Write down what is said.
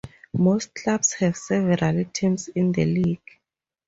Most clubs have several teams in the league.